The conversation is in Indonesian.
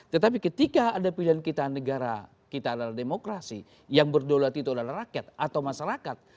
tetapi ketika ada pilihan kita negara kita adalah demokrasi yang berdaulat itu adalah rakyat atau masyarakat